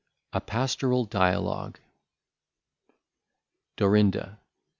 A Pastoral Dialogue. _Dorinda.